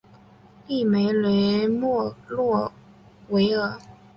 利梅雷默诺维尔。